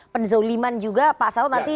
penzaliman juga pak salud nanti